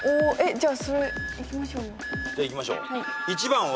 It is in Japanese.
じゃあいきましょう。